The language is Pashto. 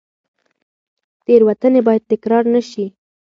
تېروتنې باید تکرار نه شي.